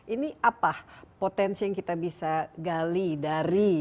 ini apa potensi yang kita bisa gali dari